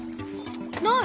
ない！